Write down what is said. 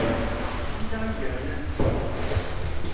Anta i yernan?